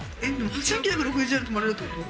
８９６０円で泊まれるっていうこと？